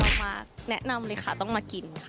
มาแนะนำเลยค่ะต้องมากินค่ะ